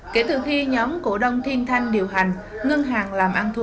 kể từ khi nhóm cổ đông thiên thanh điều hành ngân hàng làm ăn thu lỗ